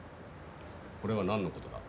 これは何のことだ？